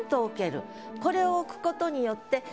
これを置くことによって。